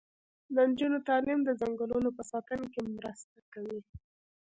د نجونو تعلیم د ځنګلونو په ساتنه کې مرسته کوي.